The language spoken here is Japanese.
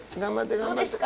どうですか？